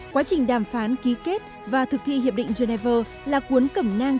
quá trình đàm phán ký kết và thực thi hiệp định geneva là cuốn cẩm nang